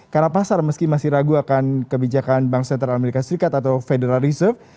karena pasar meski masih ragu akan kebijakan bank center as atau federal reserve